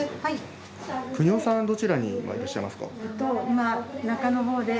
邦男さんどちらにいらっしゃいますか？